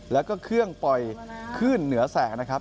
แล้วก็เครื่องปล่อยขึ้นเหนือแสงนะครับ